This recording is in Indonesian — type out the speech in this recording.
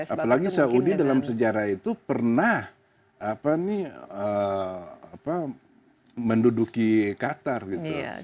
apalagi saudi dalam sejarah itu pernah menduduki qatar gitu